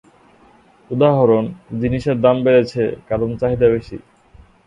উদাহরণ: জিনিসের দাম বেড়েছে, কারণ চাহিদা বেশি।